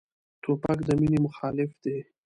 توپک د مینې مخالف دی.